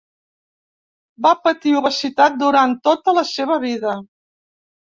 Va patir obesitat durant tota la seva vida.